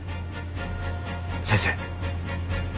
先生？